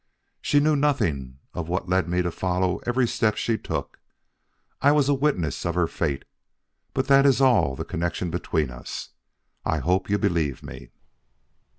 She knew nothing of what led me to follow every step she took. I was a witness of her fate, but that is all the connection between us. I hope you believe me."